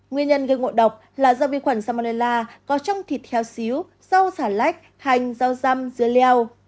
nguyên nhân gây ngộ độc là do vi khuẩn salmonella có trong thịt heo xíu rau xà lách hành rau dăm dưa leo